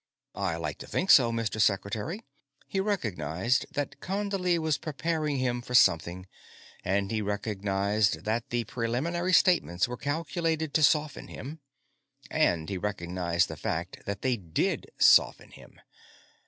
"I like to think so, Mr. Secretary." He recognized that Condley was preparing him for something, and he recognized that the preliminary statements were calculated to soften him. And he recognized the fact that they did soften him.